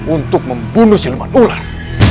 untuk membunuh silman ular